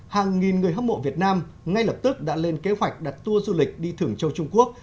hàng nghìn người hâm mộ việt nam ngay lập tức đã lên kế hoạch đặt tour du lịch đi thưởng châu trung quốc